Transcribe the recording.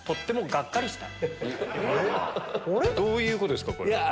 どういうことですか？